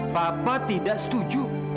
papa tidak setuju